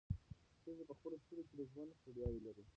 ښځې په خپلو سترګو کې د ژوند ستړیاوې لرلې.